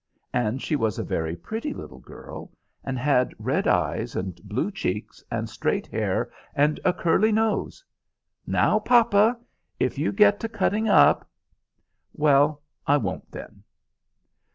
And she was a very pretty little girl, and had red eyes, and blue cheeks, and straight hair, and a curly nose "Now, papa, if you get to cutting up " "Well, I won't, then!"